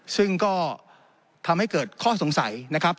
ซึ่งก็ทำให้เกิดข้อสงสัยนะครับ